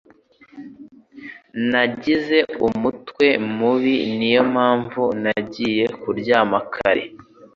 Nagize umutwe mubi. Niyo mpamvu nagiye kuryama kare.